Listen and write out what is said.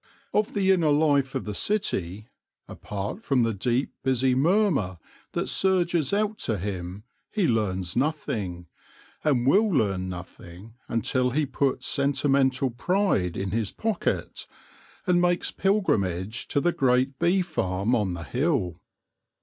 Of the inner life of the city, apart from the deep busy murmur that surges out to him, he learns nothing, and will learn nothing until he puts sentimental pride in his pocket, and makes pilgrimage to the great bee farm on the hill.